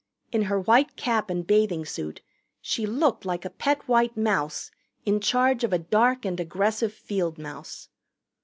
In her white cap and bathing suit she looked like a pet white mouse in charge of a dark and aggressive field mouse.